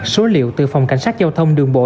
số liệu từ phòng cảnh sát giao thông đường bộ